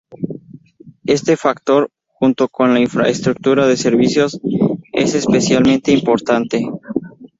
Este factor, junto con la infraestructura de servicios, es especialmente importante.